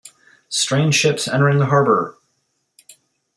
Strange ships entering the harbor!